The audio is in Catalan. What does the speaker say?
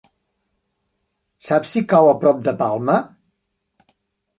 Saps si cau a prop de Palma?